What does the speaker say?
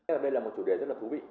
đây là một chủ đề rất là thú vị